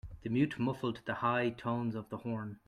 The mute muffled the high tones of the horn.